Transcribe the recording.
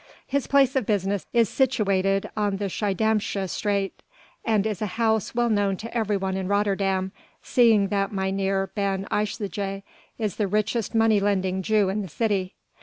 His place of business is situated on the Schiedamsche Straat and is a house well known to every one in Rotterdam seeing that Mynheer Ben Isaje is the richest money lending Jew in the city."